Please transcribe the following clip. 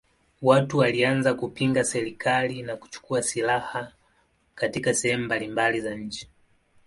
Watu walianza kupinga serikali na kuchukua silaha katika sehemu mbalimbali za nchi.